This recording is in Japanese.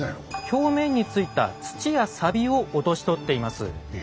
表面についた土やサビを落とし取っています。